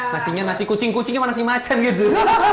nasinya nasi kucing kucingnya mah nasi macem gitu